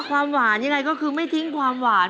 ความหวานยังไงก็คือไม่ทิ้งความหวาน